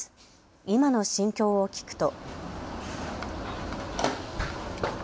今の心境を聞くと。